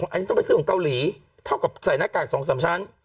อันนี้ต้องไปซื้อของเกาหลีเท่ากับใส่หน้ากาก๒๓ชั้น